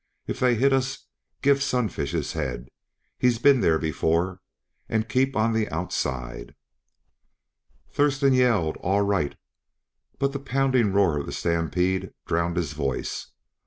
"If they hit us, give Sunfish his head, he's been there before and keep on the outside!" Thurston yelled "All right!" but the pounding roar of the stampede drowned his voice.